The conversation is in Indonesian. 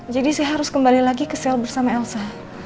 jadi saya harus kembali lagi ke sel bersama elsa